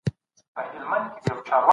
محلي مشران دا تګلاره ګټوره ګڼي.